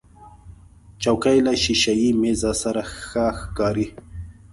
چوکۍ له شیشهيي میز سره ښه ښکاري.